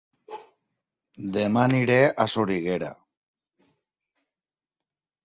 Dema aniré a Soriguera